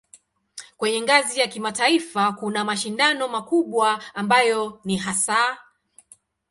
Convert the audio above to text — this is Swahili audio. Kwenye ngazi ya kimataifa kuna mashindano makubwa ambayo ni hasa